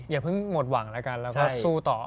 อย่าเพิ่งหมดหวังแล้วก็สู้ต่อ